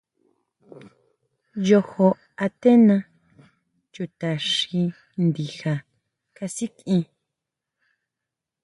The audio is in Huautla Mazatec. Yojo antena chuta xi ndija kasikʼien.